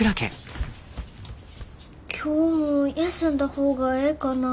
今日も休んだ方がええかな？